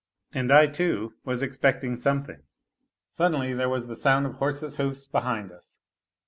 And I, too, was expcctm] something. Sudden!}' there was the sound of horses' ho| behind us.